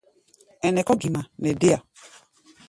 Ɛnɛ kɔ̧́ gima nɛ déa.